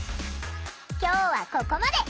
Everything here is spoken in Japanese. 今日はここまで！